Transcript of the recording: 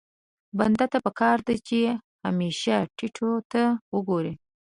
بنده ته پکار ده چې همېش ټيټو ته وګوري.